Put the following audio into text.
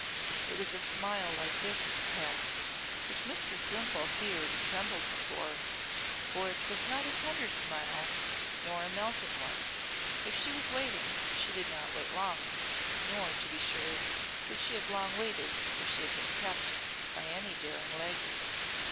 It was a smile like this, perhaps, which Mistress Wimpole feared and trembled before, for 'twas not a tender smile nor a melting one. If she was waiting, she did not wait long, nor, to be sure, would she have long waited if she had been kept by any daring laggard.